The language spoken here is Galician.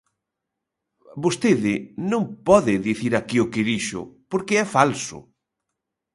Vostede non pode dicir aquí o que dixo, porque é falso.